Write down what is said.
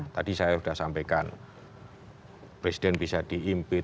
tadi saya sudah sampaikan presiden bisa diimpete